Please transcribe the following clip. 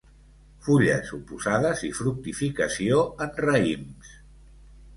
Fulles oposades i fructificació en raïms.